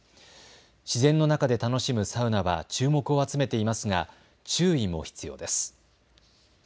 自然の中で楽しむサウナは注目を集めていますが注意も必要です。